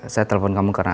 saya telpon kamu ke rumah